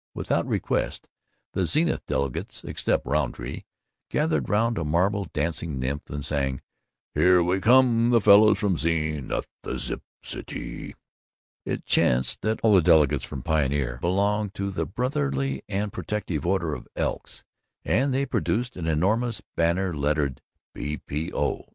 Without request, the Zenith delegates (except Rountree) gathered round a marble dancing nymph and sang "Here we come, the fellows from Zenith, the Zip Citee." It chanced that all the delegates from Pioneer belonged to the Brotherly and Protective Order of Elks, and they produced an enormous banner lettered: "B. P. O.